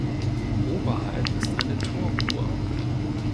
Oberhalb ist eine Turmuhr.